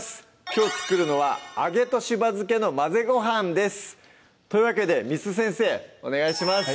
きょう作るのは「揚げとしば漬けの混ぜご飯」ですというわけで簾先生お願いします